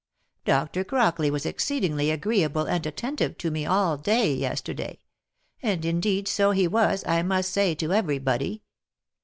Dr. Crockley was exceedingly agreeable and attentive to me all day yesterday. And, indeed, so he was, I must say, to every body.